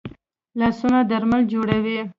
لاسونه درمل جوړوي